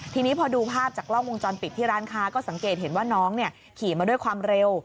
ทีนี้พอดูภาพจากกล้องวงจรปิดที่ร้านค้าก็สังเกตเห็นว่าน้องขี่มาด้วยความเร็ว